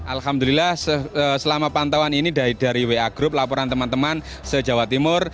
alhamdulillah selama pantauan ini dari wa group laporan teman teman se jawa timur